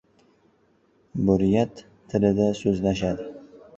Buryat tilida so‘zlashadi.